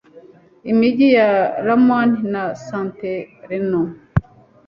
Imijyi ya Lamone na Santerno